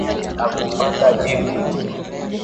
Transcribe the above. Hakupata jibu